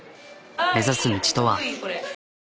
目指す道とは？